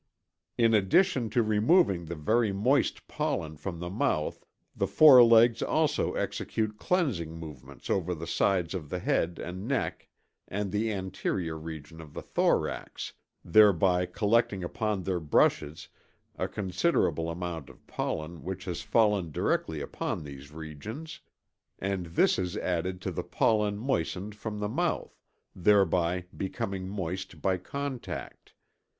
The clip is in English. In addition to removing the very moist pollen from the mouth the forelegs also execute cleansing movements over the sides of the head and neck and the anterior region of the thorax, thereby collecting upon their brushes a considerable amount of pollen which has fallen directly upon these regions, and this is added to the pollen moistened from the mouth, thereby becoming moist by contact.